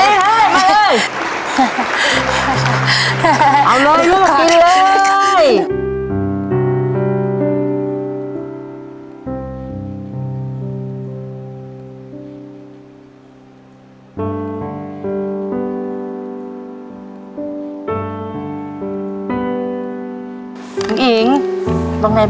เอาเลยลูกกินเลย